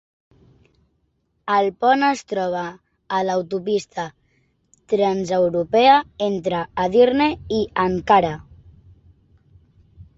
El pont es troba a l'autopista transeuropea entre Edirne i Ankara.